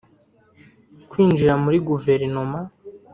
kwinjira muri guverinoma